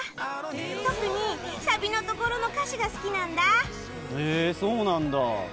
特にサビのところの歌詞が好きなへー、そうなんだ。